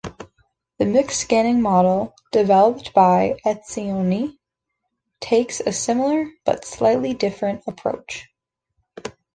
The mixed scanning model, developed by Etzioni, takes a similar, but slightly different approach.